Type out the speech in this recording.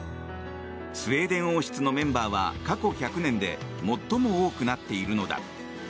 スウェーデン王室のメンバーは過去１００年で最も多くなっているのだ。